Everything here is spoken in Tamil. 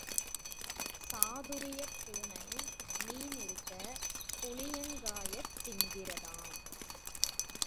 சாதுரியப்பூனை மீன் இருக்க, புளியங்காயத் திங்கிறதாம்.